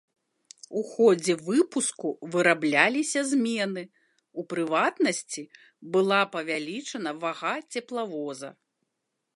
У ходзе выпуску вырабляліся змены, у прыватнасці, была павялічаная вага цеплавоза.